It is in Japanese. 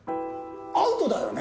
アウトだよね？